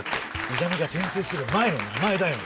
イザミが転生する前の名前だよ。